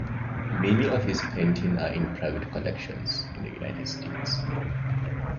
Many of his paintings are in private collections in the United States.